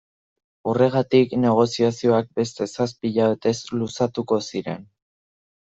Horregatik, negoziazioak beste zazpi hilabetez luzatuko ziren.